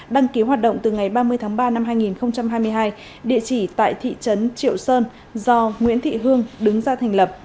đăng ký hoạt động từ ngày ba mươi tháng ba năm hai nghìn hai mươi hai địa chỉ tại thị trấn triệu sơn do nguyễn thị hương đứng ra thành lập